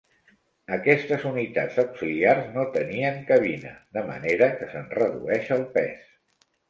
Aquestes unitats auxiliars no tenien cabina, de manera que se'n redueix el pes.